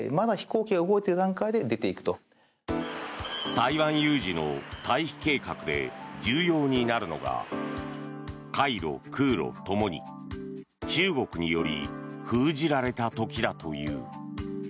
台湾有事の退避計画で重要になるのが海路、空路ともに中国により封じられた時だという。